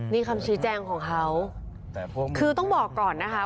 นี่คำชีวิตแจ้งของเขาแต่พวกมึงคือต้องบอกก่อนนะคะ